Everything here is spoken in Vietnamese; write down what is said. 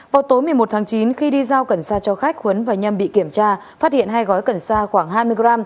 vào tối một mươi một tháng chín khi đi giao cần sa cho khách khuấn và nhâm bị kiểm tra phát hiện hai gói cần xa khoảng hai mươi g